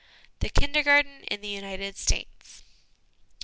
The Kindergarten in the United States.